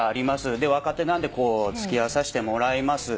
で若手なんで付き合わさしてもらいます。